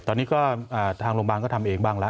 ตอนนี้ก็ทางโรงพยาบาลก็ทำเองบ้างแล้ว